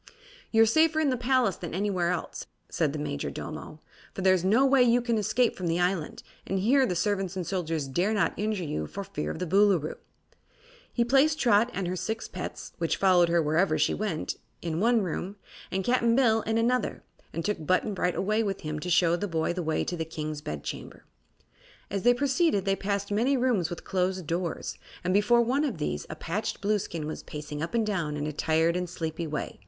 "You're safer in the palace than anywhere else," said the Majordomo, "for there is no way you can escape from the island, and here the servants and soldiers dare not injure you for fear of the Boolooroo." He placed Trot and her six pets which followed her wherever she went in one room, and Cap'n Bill in another, and took Button Bright away with him to show the boy the way to the King's bedchamber. As they proceeded they passed many rooms with closed doors, and before one of these a patched Blueskin was pacing up and down in a tired and sleepy way.